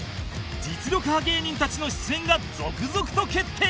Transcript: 実力刃芸人たちの出演が続々と決定